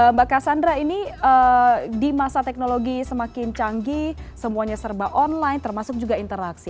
mbak cassandra ini di masa teknologi semakin canggih semuanya serba online termasuk juga interaksi